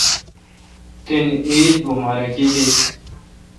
تن عید امبا۔ رکی دیت۔